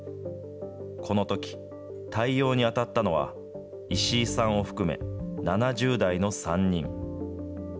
このとき、対応に当たったのは、石井さんを含め７０代の３人。